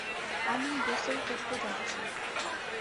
আমি গোসল করতে যাচ্ছি।